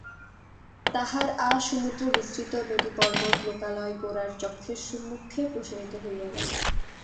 তাহার আসমুদ্রবিস্তৃত নদীপর্বত লোকালয় গোরার চক্ষের সম্মুখে প্রসারিত হইয়া গেল।